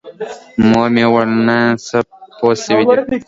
مور مې وويل نه څه پې سوي دي.